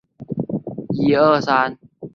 粗刺深虾蛄为深虾蛄科深虾蛄属下的一个种。